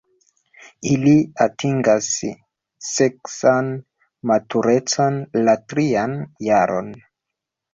Ili atingas seksan maturecon la trian jaron.